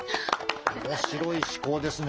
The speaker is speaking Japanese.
面白い趣向ですね。